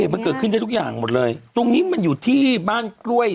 มันเกิดขึ้นได้ทุกอย่างหมดเลยตรงนี้มันอยู่ที่บ้านกล้วย